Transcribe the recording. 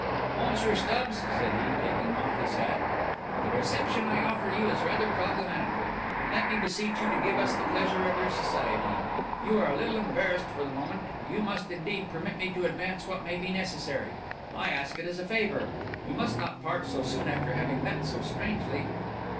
"Monsieur Stubbs," said he, taking of his hat, "the reception I offer you is rather problematical; but let me beseech you to give us the pleasure of your society. You are a little embarrassed for the moment; you must, indeed, permit me to advance what may be necessary. I ask it as a favour; we must not part so soon after having met so strangely."